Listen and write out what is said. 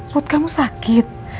put kamu sakit